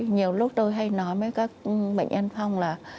nhiều lúc tôi hay nói với các bệnh nhân phong là